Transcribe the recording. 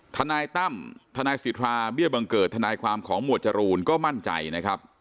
ทนายตั้มทนายสิทธาเบี้ยบังเกิดทนายความของหมวดจรูนก็มั่นใจนะครับ